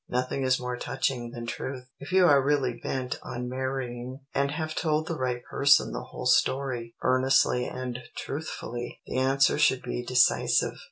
Nothing is more touching than truth. If you are really bent on marrying and have told the right person the whole story, earnestly and truthfully, the answer should be decisive.